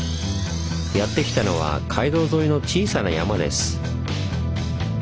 やって来たのは街道沿いの小さな山です。